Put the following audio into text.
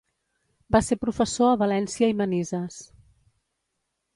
Va ser professor a València i Manises.